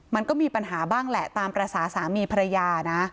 มันก็มีปัญหาบ้างแหละตามภาษาสามีภรรยานะ